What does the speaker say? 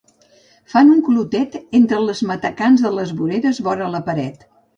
Fan un clotet entre els matacans de les voreres, vora la paret.